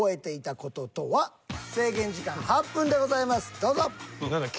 どうぞ。